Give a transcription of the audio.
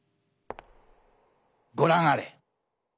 ご覧あれ！